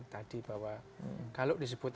tadi bahwa kalau disebut